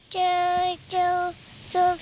เจอเจอเจอผีบ้า